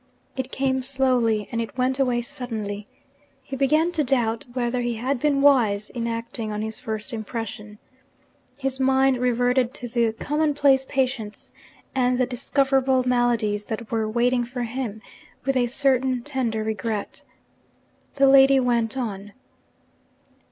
It came slowly, and it went away suddenly. He began to doubt whether he had been wise in acting on his first impression. His mind reverted to the commonplace patients and the discoverable maladies that were waiting for him, with a certain tender regret. The lady went on.